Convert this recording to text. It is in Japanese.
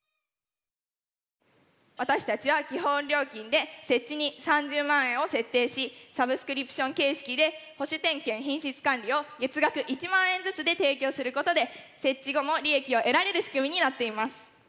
私たちは基本料金で設置に３０万円を設定しサブスクリプション形式で保守点検品質管理を月額１万円ずつで提供することで設置後も利益を得られる仕組みになっています。